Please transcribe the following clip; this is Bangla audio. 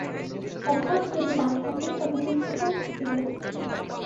অভাব যদি না থাকে, তবে দুঃখও থাকিবে না।